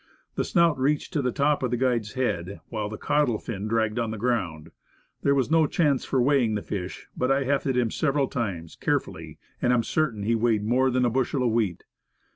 The snout reached to the top of the guide's head, while the caudal fin dragged on the ground. There J6 Woodcraft. was no chance for weighing the fish, but I hefted him several times, carefully, and am certain he weighed more than a bushel of wheat.